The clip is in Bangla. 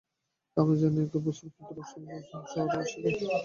আমরা যেন একই বস্তুর ক্ষুদ্র ক্ষুদ্র সঞ্চরমাণ অংশ, আর ঈশ্বর হইলেন সমষ্টিবস্তু।